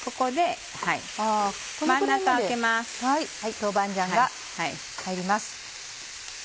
豆板醤が入ります。